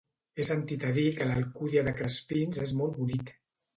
He sentit a dir que l'Alcúdia de Crespins és molt bonic.